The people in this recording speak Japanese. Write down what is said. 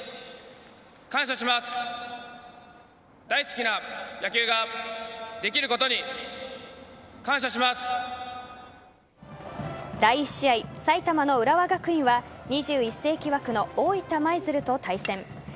第１試合、埼玉の浦和学院は２１世紀枠の大分舞鶴と対戦。